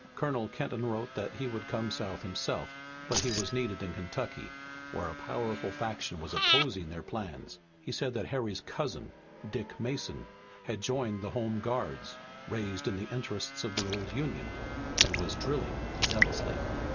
Colonel Kenton wrote that he would come South himself, but he was needed in Kentucky, where a powerful faction was opposing their plans. He said that Harry's cousin, Dick Mason, had joined the home guards, raised in the interests of the old Union, and was drilling zealously.